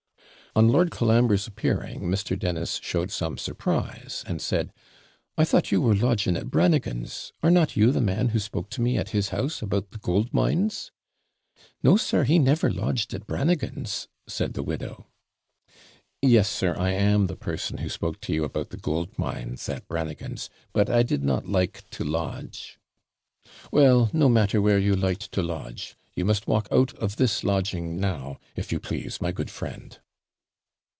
On Lord Colambre's appearing, Mr. Dennis showed some surprise, and said, 'I thought you were lodging at Brannagan's; are not you the man who spoke to me at his house about the gold mines?' 'No, sir, he never lodged at Brannagan's,' said the widow. 'Yes, sir, I am the person who spoke to you about the gold mines at Brannagan's; but I did not like to lodge ' 'Well, no matter where you liked to lodge; you must walk out of this lodging now, if you please, my good friend.'